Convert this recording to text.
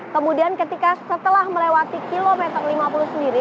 kemudian ketika setelah melewati kilometer lima puluh sendiri